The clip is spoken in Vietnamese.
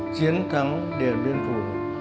chiến thắng địa biên phủ